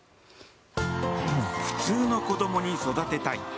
普通の子供に育てたい。